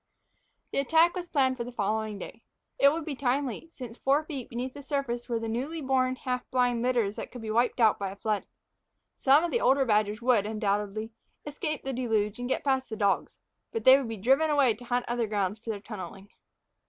The attack was planned for the following day. It would be timely, since four feet beneath the surface were the newly born, half blind litters that could be wiped out by a flood. Some of the old badgers would, undoubtedly, escape the deluge and get past the dogs, but they would be driven away to hunt other ground for their tunneling.